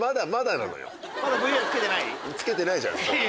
つけてないじゃないですか。